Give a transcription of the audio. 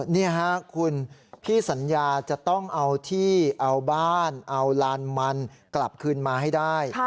นี่ค่ะคุณพี่สัญญาจะต้องเอาที่เอาบ้านเอาลานมันกลับคืนมาให้ได้